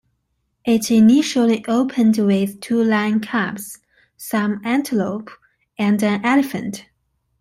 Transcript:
It initially opened with two lion cubs, some antelope, and an elephant.